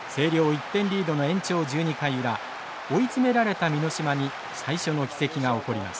１点リードの延長１２回裏追い詰められた箕島に最初の奇跡が起こります。